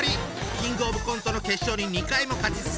キングオブコントの決勝に２回も勝ち進んだ実力者！